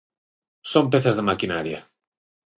Son pezas da maquinaria.